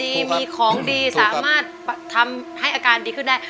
มีของดีสามารถทำให้อาการดีขึ้นได้